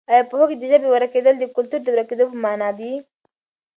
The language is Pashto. آیا پوهېږې چې د ژبې ورکېدل د کلتور د ورکېدو په مانا دي؟